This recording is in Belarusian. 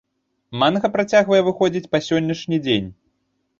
Манга працягвае выходзіць па сённяшні дзень.